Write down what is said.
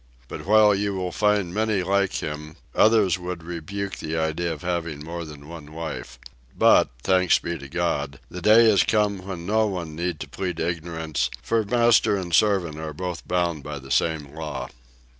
But while you will find many like him, others would rebuke the idea of having more than one wife. But, thanks be to God, the day has come when no one need to plead ignorance, for master and servant are both bound by the same law.